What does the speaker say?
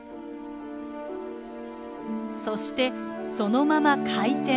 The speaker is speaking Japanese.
そしてそのまま回転。